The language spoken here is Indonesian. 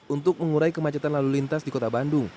untuk mengurai kemacetan lalu lintas di kota bandung